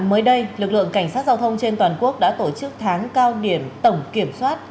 mới đây lực lượng cảnh sát giao thông trên toàn quốc đã tổ chức tháng cao điểm tổng kiểm soát